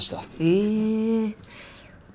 へえ。